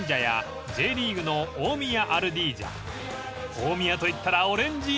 ［大宮といったらオレンジ色］